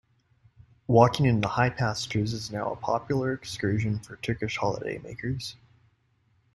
Walking in the high pastures is now a popular excursion for Turkish holidaymakers.